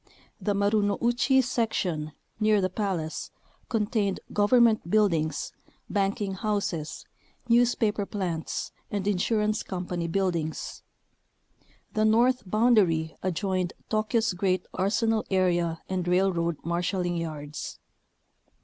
The Marounouchi Sec tion, near the palace, contained government buildings, banking houses, newspaper plants, and insurance company buildings. The north boundary adjoined Tokyo's great arsenal area and railroad marshalling yards.